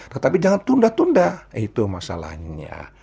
tetapi jangan tunda tunda itu masalahnya